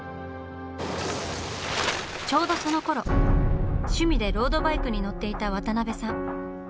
ちょうどそのころ趣味でロードバイクに乗っていた渡辺さん。